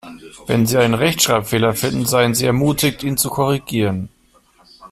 Wenn Sie einen Rechtschreibfehler finden, seien Sie ermutigt, ihn zu korrigieren.